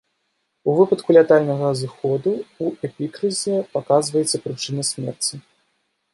У выпадку лятальнага зыходу ў эпікрызе паказваецца прычына смерці.